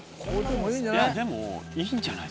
いいんじゃない？